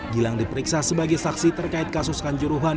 gilang diperiksa sebagai saksi terkait kasus kanjuruhan